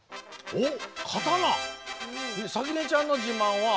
おっ！